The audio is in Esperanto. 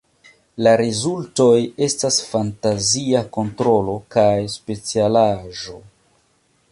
La rezultoj estas fantazia kontrolo kaj specialaĵo.